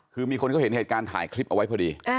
คือมีคนเขาเห็นเหตุการณ์ถ่ายคลิปเอาไว้พอดี